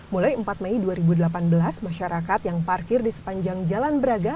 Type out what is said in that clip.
mulai empat mei dua ribu delapan belas masyarakat yang parkir di sepanjang jalan braga